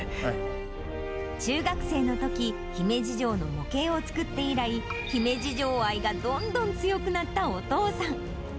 中学生のとき、姫路城の模型を作って以来、姫路城愛がどんどん強くなったお父さん。